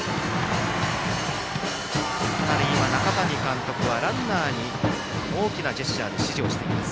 中谷監督がランナーに大きなジェスチャーで指示をしています。